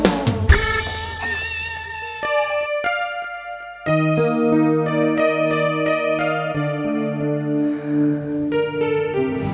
eh siang dud